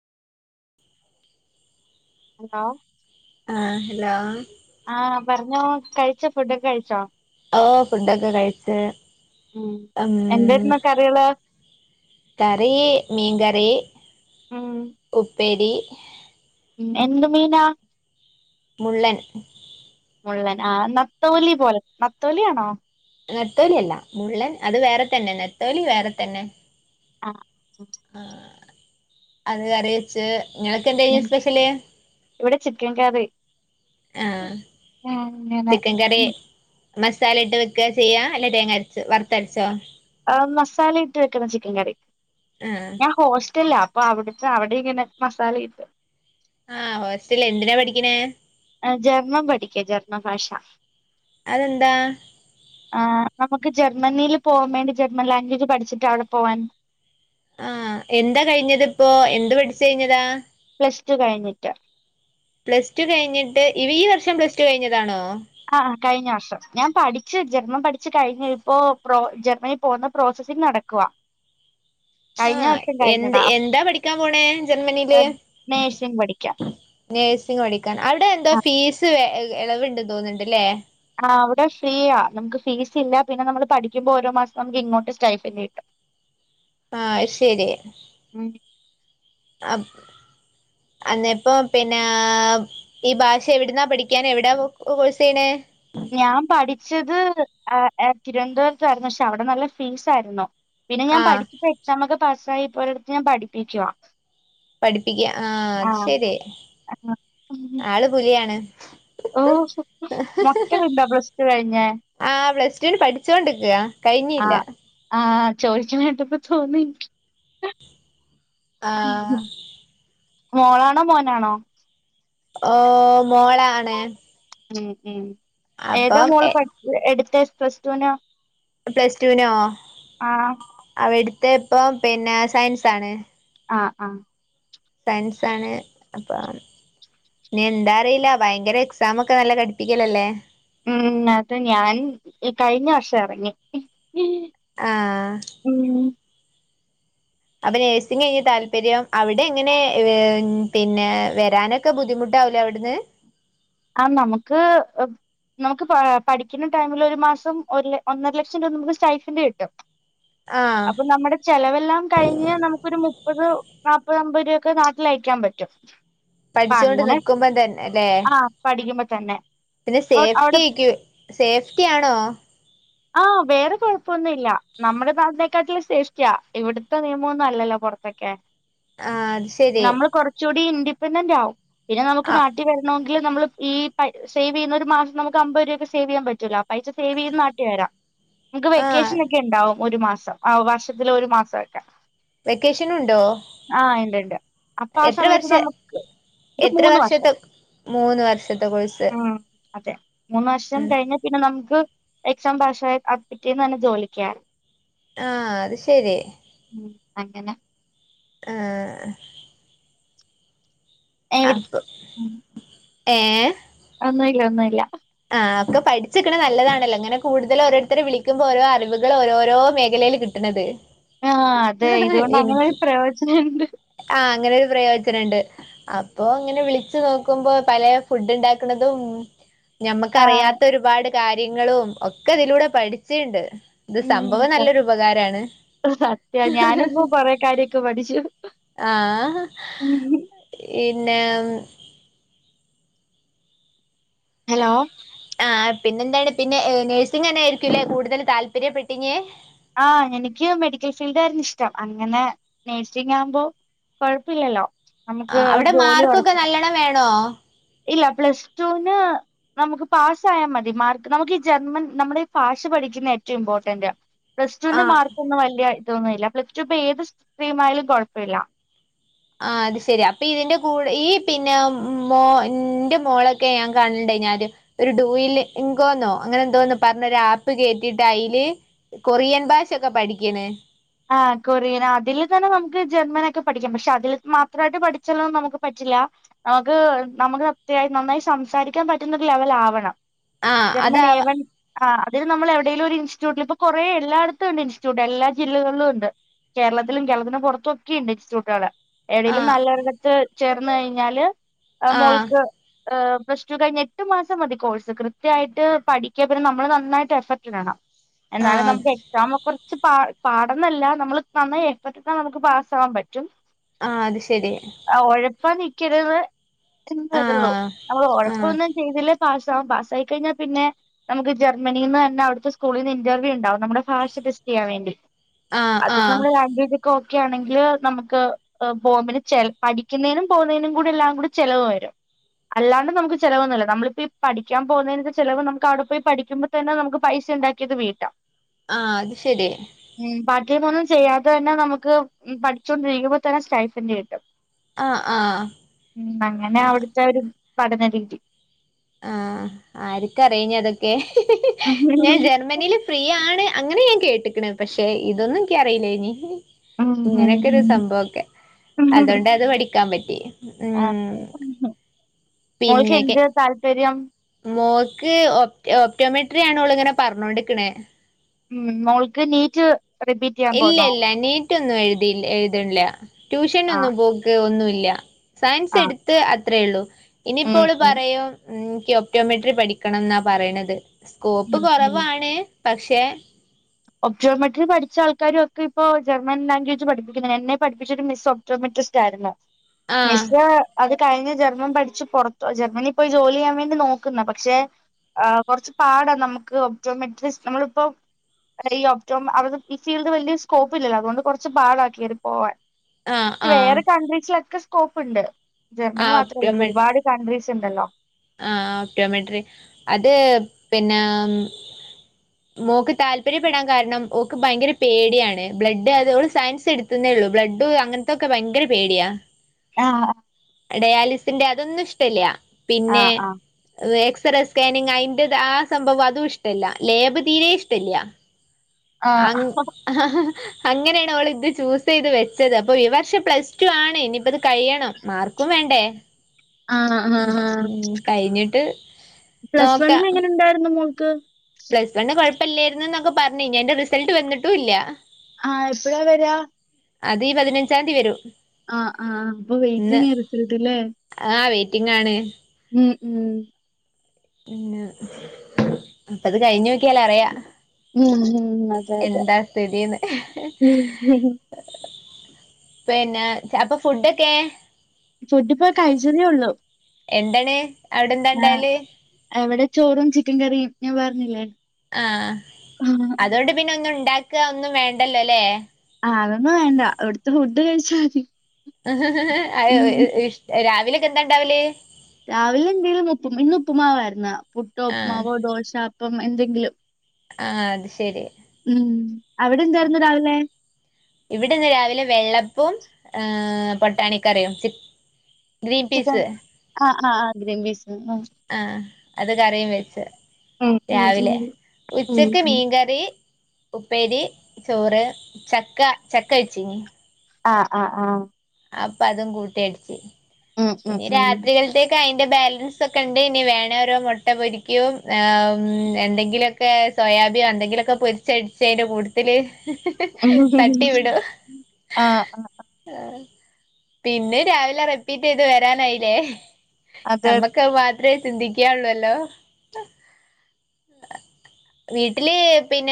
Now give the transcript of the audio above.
ആഹ് ആഹ് ഹലോ ആഹ് പറഞ്ഞോ കഴിച്ചോ ഫുഡൊക്കെ കഴിച്ചോ ഓഹ് ഫുഡൊക്കെ കഴിച്ച്. ഉം അങ്ങാനെ എന്തായിരുന്നു കറികള് കറി മീൻകറി. ഉം ഉപ്പേരി ഉം. എന്ത് മീനാ? മുള്ളൻ. മുള്ളൻ ആഹ് നത്തോലി പോലെ. നത്തോലിയാണോ? നെത്തോലി അല്ല മുള്ളൻ അത് വേറെ തന്നെ നെത്തോലി വേറെ തന്നെ. ആഹ് ആഹ് അത് കറിവെച്ച് ഇങ്ങക്ക് എന്തെനു ഉം സ്പെഷ്യല്? ഇവിടെ ചിക്കൻ കറി ആഹ് അങ്ങനെ ചിക്കൻക്കറി മസാല ഇട്ട് വെക്ക ചെയ്യാ? അല്ല തേങ്ങ അര്ച്ച് വർത്തര്ച്ചോ? ആഹ് മസാലയിട്ട് വെക്കുന്ന ചിക്കൻ കറി. ആഹ് ഞാൻ ഹോസ്റ്റല്ലാ അപ്പൊ അവിടുത്തെ അവിടെ ഇങ്ങനെ മസാല ഇട്ട് ആഹ് ഹോസ്റ്റൽ എന്തിനാ പഠിക്കണേ? ആ ജർമ്മം പഠിക്ക ജർമ്മൻ ഭാഷ അതെന്താ? ആഹ് നമുക്ക് ജർമ്മനിയിൽ പോവാൻ വേണ്ടി ജർമ്മൻ ലാംഗ്വേജ് പഠിച്ചിട്ട് അവിടെ പോവാൻ. ആഹ് എന്താ കഴിഞ്ഞത് ഇപ്പോ എന്ത് പഠിച്ചു കഴിഞ്ഞതാ? പ്ലസ്ടു കഴിഞ്ഞിട്ട് പ്ലസ് ടു കഴിഞ്ഞിട്ട് ഇവ ഈ വർഷം പ്ലസ് ടു കഴിഞ്ഞതാണോ? ആഹ് കഴിഞ്ഞ വർഷം ഞാൻ പഠിച്ചു ജർമ്മൻ പഠിച്ച് കഴിഞ്ഞു ഇപ്പോ പ്രോ ജർമ്മനിയിൽ പോകുന്ന പ്രോസസിങ്ങ് നടക്കുവാ കഴിഞ്ഞ ആഹ് വർഷം എന്ത് കഴിഞ്ഞതാ എന്താ പഠിക്കാൻ പോണേ ജർമ്മനിയില്? നേഴ്സിംഗ് പഠിക്കാൻ നേഴ്സിംഗ് പഠിക്കാൻ അവിടെ എന്തോ ഫീസ് എളവ്ണ്ടെന്ന് തോന്ന്ണ്ട് ല്ലേ ആഹ് അവിടെ ഫ്രീ ആ നമുക്ക് ഫീസ് ഇല്ല പിന്നെ നമ്മൾ പഠിക്കുമ്പോ ഓരോ മാസം നമുക്ക് ഇങ്ങോട്ട് സ്റ്റൈഫല്ല് കിട്ടും. [unintelligible] ആഹ് ശരി ഉം അപ് അന്നപ്പം പിന്നാഹ് ഈ ഭാഷ എവിടുന്നാ പഠിക്കാൻ എവിടാ കോയ്‌സെയ്യണേ? ഞാൻ പഠിച്ചത് ആഹ് ഏഹ് തിരുവനന്തപുരത്തായിരുന്നു പക്ഷെ അവിടെ നല്ല ഫീസ് ആയിരുന്നു. പിന്നെ ഞാൻ ആഹ് പഠിപ്പോ എക്സാം ഒക്കെ പാസ്സായി ഇപ്പ ഒരിടത്ത് ഞാൻ പഠിപ്പിക്കുവ. പഠിപ്പിക്കയാ ആഹ് അത് ശരി. ആള് പുലിയാണ്. ഓഹ് മക്കള്ണ്ടാ പ്ലസ്ടു കഴിഞ്ഞെ? ആഹ് പ്ലസ് ടുന് പഠിച്ചോണ്ട് ക്ക കഴിഞ്ഞില്ല. ആഹ് ആഹ് ചോയിച്ച്ണേട്ടപ്പ തോന്നി. ആഹ് മോളാണോ മോനാണോ? ഓഹ് മോളാണ് ഉം ഉം ഏതാ അപ്പം മോള് പട് എടുത്തെ പ്ലസ് ടു നോ? പ്ലസ് ടു നോ അവ എട്ത്തെ ഇപ്പം പിന്നെ സയൻസ് ആണ്. ആഹ് ആഹ് സയൻസാണ്. അപ്പോ ഇനി എന്താ അറീല്ല ഭയങ്കര എക്സാം ഒക്കെ നല്ല കട്ടിക്കലല്ലേ? ഉം അത് ഞാൻ ഇ കഴിഞ്ഞ വർഷം എറങ്ങി ആഹ് ഉം അപ്പൊ നഴ്സിങേനി താല്പര്യം അവിടെ ഇങ്ങനെ പിന്നെ വരാനൊക് ക്ക ബുദ്ധിമുട്ടാവുലെ അവിടുന്ന്? ആഹ് നമുക്ക് നമുക്ക് പാ പഠിക്കുന്ന ടൈമിൽ ഒരു മാസം ഒര്ല് ഒന്നര ലക്ഷം രൂപ നമുക്ക് സ്റ്റൈഫിന്റ് കിട്ടും. ആഹ് അപ്പം നമ്മടെ ചെലവെല്ലാം കഴിഞ് നമുക്കൊരു മു പ്പത് നാപ്പത് അമ്പത് രൂപൊക്കെ കണക്കിലയക്കാൻ പറ്റും. അപ്പൊ പഠിച്ചുകൊണ്ട് അങ്ങനെ നിക്കുമ്പം തന്നെല്ലെ ആഹ് പഠിക്കുമ്പോ തന്നെ പിന്നെ അവിടെ സേഫ്റ്റിയിക്കു സേഫ്റ്റിയാണോ ആഹ് വേറെ കൊഴപ്പൊന്നുല്ല നമ്മുടെ താ [unintelligible] സേഫ്റ്റിയൊക്കെ ഇവിടുത്തെ നിയമൊന്നും അല്ലല്ലോ പുറത്തൊക്കെ ആഹ് അത് ശരി നമ്മൾ കൊറ ച്ചൂടി ഇൻിപെൻഡന്റ് ആവു പിന്നെ നമുക്ക് ആഹ് നാട്ടി വരണം നമ്മള് ഈ സേവ് ചെയ്യുന്ന ഒരു മാസം നമു അമ്പത് രൂപക്ക സേവ് ചെയ്യാൻ പറ്റില്ല ആഹ് പൈസ സേവ് ചെയ്യ വരാം നമക്ക് ആഹ് വെക്കേഷൻക്കെണ്ടാവും ഒരു മാസം ആ വർഷത്തില ഒരു മാസക്കെ വെക്കേഷനും ഉണ്ടോ ആന് ഇണ്ട്ണ്ട് അപ്പ ആഹ് എത്ര സമയത്ത് വർഷ നമുക്ക് ഇത് എത്ര മൂന്ന് വർഷം വർഷത്തെ മൂന്ന് വർഷത്തെ കോഴ്‌സ് ഉം അതെ മൂന്ന് വർഷം കഴിഞ്ഞ പിന്നെ നമുക്ക് എക്സാം പാസ്സ് ആയ പിറ്റേന്ന് തന്നെ ജോലിക്ക് കേറ ആഹ് അത് ശരി ഉം അങ്ങനെ ഏഹ് എവിടെ അപ് ഏ ഒന്നുല്ല ഒന്നുല്ല ആഹ് ഒക്കെ പഠിച്ചക്കണ നല്ലതാണല്ലോ അങ്ങനെ കൂടുതൽ ഓരോരുത്തരെ വിളിക്കുമ്പോ ഓരോ അറിവുകൾ ഓരോ മേഖലയിൽ കിട്ടും. എട്ടത് ആഹ് അതെ ഇതുകൊണ്ട് അങ്ങനെ ഒരു പ്രയോജനണ്ട്. ആഹ് അങ്ങനൊരു പ്രയോജനണ്ട് അപ്പൊങ്ങനെ വിളിച്ചു നോക്കുമ്പോ പല ഫുഡ് ഇണ്ടാക്കുന്നതും ആഹ് ഞമ്മക്കറിയാത്ത ഒരുപാട് കാര്യങ്ങളും ഒക്കെ തിലൂടെ പഠിച്ചുണ്ട് ഇത് സംഭവം ഉം നല്ലൊരുപകാരാണ് സത്യ ഞാനിപ്പോ കൊറെ കാര്യൊക്കെ പഠിച്ചു ആഹ് പിന്നെ ഹലോ ആഹ് പിന്നെന്താണ് പിന്നെ നഴ്സിംഗന്നെ ആയിരിക്കുംല്ലേ കൂടുതൽ താല്പര്യപ്പെട്ടിനെ ആഹ് എനിക്ക് മെഡിക്കൽ ഫീൽഡ് ആയിരുന്നു ഇഷ്ടം അങ്ങനെ നേഴ്സിംഗവുമ്പോ കൊഴപ്പില്ലല്ലോ നമുക്ക് ഒരു ജോലി ഒറ ണ വേണോ ഇല്ല പ്ലസ് ടൂന് നമുക്ക് പാസ്സായാൽ മതി മാർക്ക് നമുക്ക് ഈ ജർമ്മൻ നമ്മുടെ ഈ ഭാഷ പഠിക്കുന്ന ഏറ്റവും ഇമ്പോർട്ടൻ്റ് പ്ലസ് ടുവിന്റെ ആഹ് മാർക്കൊന്നും വലിയ ഇതൊന്നുമല്ല പ്ലസ് ടു ഇപ്പൊ ഏത് സ്ട്രീമായാലും കുഴപ്പമില്ല ആഹ് അത് ശെരി അപ്പൊ ഇതിന്റെ കൂടെ ഈ പിന്നെ മോ ന്റെ മോളൊക്കെ ഞാൻ കാണണണ്ട് ഞാന് ആദ്യം ഒരു ഡൂൽ ഇൻകോന്നൊ അങ്ങനെ എന്തോന്നോ പറഞ്ഞൊര ആപ്പ് കേട്ടിട്ട് അയില് കൊറിയൻ ഭാഷൊക്കെ പഠിക്കണ് ആ കൊറിയൻ അതിൽ തന്നെ നമുക്ക് ജർമ്മനക്കെ പഠിക്കാം പക്ഷെ അതിൽ മാത്രമായിട്ട് പഠിച്ചാലന്നും നമുക്ക് പറ്റില്ല നമുക്ക് നമുക്ക് അത്യാവ നന്നായി സംസാരിക്കാൻ പറ്റുന്ന ഒരു ലെവൽ ആവണം ആഹ് ജർമ്മന അതാവ എവൺ ആഹ് അത് നമ്മ എവിടേലും ഇസ്റ്റ്യൂട്ടിൽ ഇപ്പ കൊറ എല്ലായിടത്തുംണ്ട് ഇൻസ്‌റ്റ്യൂട്ടിൽ എല്ല ജില്ലകളിലും ഉണ്ട് കേരളത്തിലും കേരളത്തിന് പുറത്തും ഒക്കെ ഉണ്ട് ഇൻസ്റ്റിറ്റ്യൂട്ട് കള് എടലും ആഹ് നല്ലരിട ത്ത് ചേർന്ന് കഴിഞ്ഞാല് ആഹ് മോൾക്ക് ഹ് പ്ലസ് ടു കഴിഞ്ഞ എട്ട് മാസം മതി കോഴ്സ് കൃത്യമായിട്ട് പഠിക്കിയ പിന്നെ നമ്മള് നന്നായിട്ട് എഫക്ട് ഇടണം എന്നാലും ആഹ് നമുക്ക് എക്സാം കുറച്ച് പ പാടന്നല്ല നമ്മള് നന്നായി എഫക്റ്റ് എടുത്താൽ നമുക്ക് പാസ്സ ആവാൻ പറ്റും ആഹ് അത് ശെരി ആഹ് ഉഴപ്പാ നിക്കരുത് എന്നെ ള്ളോ ആഹ് നമ്മള് ആഹ് ഒഴപ്പമൊന്നും ചെയ്തില്ല പാസാവും പാസായി കഴിഞ്ഞാൽ പിന്നെ നമുക്ക് ജർമ്മനിയിൽന്ന് തന്നെ അടു സ്കൂൽ നിന്ന് ഇറർവൂ ഉണ്ടാവും നമ്മടെ ഭാഷ ടെസ്റ്റ് ചെയ്യാൻ വേണ്ടി ആഹ് ആഹ് [unintelligible] ഓക്കെ ആണെങ്കിൽ നമുക്ക് ബോംബിന് പഠിക്കുന്നതിനും പോകുന്നതിനും കൂടി എല്ലാം കൂടി ചെലവ് വരും അല്ലാണ്ട് നമുക്ക് ചിലവൊന്നുമില്ല നമ്മളിപ്പോ ഈ പഠിക്കൻ പോകുന്നതിന് ചിലവ് നമുക്ക് അവിടെ പോയി പഠിക്കുമ്പോ തന്നെ നമുക്ക് പൈസ ഉണ്ടാക്കിയത് വീട്ടാം ആഹ് അത് ശരിയാ ഉം പാർടൈം ഒന്നും ചെയ്യാതെ തന്നെ നമുക്ക് പഠിച്ചുകൊണ്ടിരിക്കുമ്പോ തന്നെ സ്റ്റൈഫന്റ് കിട്ടും ആഹ് ആഹ് ഉം അങ്ങന അവിടുത്തെ ഒരു പഠനരീതി ആഹ് ആർക്കറിയാം ഞ്ഞിഅതൊക്കെ ഉം ഞാൻ ജർമ്മനിയില് ഫ്രീയാണ് അങ്ങനെ ഞാൻ കേട്ട്ക്ക്ണ് പക്ഷെ ഇതൊന്നും എനിക്ക് അറിയില്ലേനി ഉം ഇങ്ങനെയൊക്കെ ഒരു ഉം സംഭവംഒക്കെ അതുകൊണ്ട് അത് പഠിക്കാൻ പറ്റി ഉം ആഹ് മോൾക്ക് പിന്നെക്കെ എന്ത് താല്പര്യം മോൾക്ക് ഓപ്റ്റോമെട്രി ആണ് ഓള് ഇങ്ങനെ പറഞ്ഞോണ്ടിരിക്കണേ ഉം മോൾക്ക് നീറ്റ് റിപ്പീറ്റ് ചെയ്യാൻ പോന്നോ? ഇല്ലില്ല നീറ്റൊന്നും എഴുതി എഴുതണ്ല്ല ആഹ് ട്യൂഷനൊന്നും പോക്ക് ഒന്നും ഇല്ല സയൻസ് ആഹ് എടുത്ത് അത്രേയുള്ളു ഉം ഇനിയിപ്പോള് ഉം പറയും എനിക്ക് ഒപ്റ്റോമെട്രി പഠിക്കണം എന്നാ പറയണത് സ്കോപ്പ് ഉം ഉം കുറവാണ് പക്ഷെ ഒപ്റ്റോമെട്രി പഠിച്ച ആൾക്കാരും ഒക്കെ ഇപ്പോ ജർമ്മൻ ലാംഗ്വേജ് പഠിപ്പിക്കുന്നത് എന്നെ പിഠിപ്പിച്ചൊരു മിസ് ഒ പ്റ്റോമിട്രിസ്റ്റ് ആയിരുന്ന് ആഹ് മിസ്സ് അത് കഴിഞ്ഞ് ജർമ്മൻ പഠിച്ചു പുറത്ത് ജർമ്മനിൽ പോയി ജോലി ചെയ്യാൻ വേണ്ടി നോക്കുന്ന പക്ഷെ ആഹ് കുറച്ച് പാടാ നമുക്ക് ഓപ്റ്റോമെട്രിസ് നമ്മളിപ്പോ ഈ ഒപ്റ്റോ അവിടെ ഈ ഫീൽഡ് വലിയ സ്കോപ്പ് ഇല്ലല്ലോ അതുകൊണ്ട് കുറച്ച് പാടാ കേറിപോവാൻ ആഹ് ആഹ് വേറെ കൺട്രീസിലൊക്കെ സ്കോപ്പ് ഉണ്ട് ആ ജർമ്മനി മാത്രമല്ല ഒരുപാട് കൺഡ്രീസ് ഉണ്ടല്ലോ ആഹ് ഒപ്റ്റോമെട്രി അത് പിന്ന [inaudible] മോക്ക് താല്പര്യപ്പെടാൻ കാരണം ഓക്ക് ഭയങ്കര പേടിയാണ് ബ്ലഡ് അതോള് സയൻസ് എടു ത്തെന്നെ ഉള്ളു ബ്ലഡ് അങ്ങനത്തൊക്കെ ഭയങ്കര പേടിയാ ആഹ് ഡയാലിസിന്റെ അതൊന്നും ഇഷ്ടല്ല പിന്നെ ആഹ് ആഹ് എക്സറേ സ്കാനിങ് അയിന്റെ ആ സംഭവം അതും ഇഷ്ടല്ല ലേബ് തീരെ ഇഷ്ടല്ല ആഹ് അങ് അങ്ങനെയാണ് അവൾ ഇത് ചൂസ് ചെയ്ത് വെച്ചത് അപ്പൊ ഈ വർഷം പ്ലസ് ടു ആണ് ഇനിപ്പത് കഴിയണം മാർക്കും വേണ്ടേ ആഹ് ആഹ് ഉം ആഹ് ഉം കഴിഞ്ഞിട്ട് പ്ലസ് വണിൽ നോക്കാം എങ്ങനെ ഉണ്ടായിരുന്നു മോൾക്ക് പ്ലസ് വണ്ണ് കുഴപ്പില്ലായിരുന്നു എന്നൊക്കെ പറഞ്ഞു ഇനി അതിന്റ റിസൾട്ട് വന്നിട്ടും ഇല്ല ആഹ് എപ്പഴാ വരാ അത് ഈ പതിനഞ്ചാം തീയതി വരും ആഹ് ആഹ് അപ്പൊ ഇന്ന് വെയിറ്റിങ്ങാ റിസൾട്ട് ഇല്ലേ ആഹ് വെയിറ്റിങ്ങാണ് ഉം ഉം പിന്ന അപ്പത് കയിഞ്ഞൊക്ക്യാലറിയാം ഉം ഉം അതെ അതെ എന്താ സ്ഥിതീന്ന് ഉം പിന്ന ചപ്പൊ ഫുഡൊക്കെ ഫുഡ് ഇപ്പൊ കഴിച്ചന്നേഉള്ളൂ എന്തണ് അവിടെന്താണ്ടാവല് അവിടെ ചോറും ചിക്കൻകറിം ഞാൻ പറഞ്ഞില്ലേ ആഹ് ആഹ് അതോണ്ട് പിന്നെ ഒന്നും ഇണ്ടാക്ക ഒന്നും വേണ്ടല്ലോല്ലേ ആഹ് അതൊന്നുംവേണ്ട അവിടുത്തെ ഫുഡ് കഴിച്ചാതി ഇഷ് രാവിലെയൊക്കെ എന്താണ്ടാവല് രാവിലെ എന്തെലും ഉപ്പ് ഇന്ന് ഉപ്പുമാവായിരുന്ന് പുട്ടൊ ആഹ് ഉപ്പ്മാവോ ദോശ അപ്പം എന്തെങ്കിലും ആഹ് അത്ശരി ഉം അവിടെ എന്താർന്നുരാവിലെ.? ഇവിടെന്ന് രാവിലെ വെള്ളപ്പും ഏഹ് പട്ടാണിക്കറിയും. ഗ്രീൻപീസ്. ചിക്കൻ ആഹ് ആഹ് ഗ്രീമ്പിസ് മ്ഹ്. ആ അത് കറിംവെച്ച്. ഉം ഉം ഉം രാവിലെ ഉം ഉച്ചക്ക് ഉം. മീൻകറി. ഉപ്പേരി ചോറ് ചക്ക ചക്കവെച്ചിനി. ആഹ് ആഹ് ആഹ്. അപ്പൊ അതും കൂട്ടിയടിച്ച് ഉം ഉം ഇനി ഉം. രാത്രിലെത്തേക്ക്. ക്കെ അയിന്റെ ബാലൻസ് ഒക്കെണ്ടെനി വേണ ഓരോ മൊട്ട പൊരിക്കോം മ് എന്തെങ്കിലൊക്കെ. ക്കെ സോയാബീൻ എന്തെങ്കിലൊക്കെ പൊരിച്ചടിച്ചയിന്റെ കൂട്ടത്തിൽ. ഉം തട്ടിവിടും. ആഹ് ആഹ് ആ പിന്നെ രാവിലെ റെപ്പീറ്റ്യ്ത് വരാനായില്ലേ അത് നമ്മക്.. ക്ക് അത് മാത്രേ ചിന്തിക്കാനുള്ളല്ലോ. വീട്ടില് പിന്നെ.